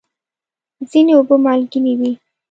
ځینې اوبه مالګینې وي.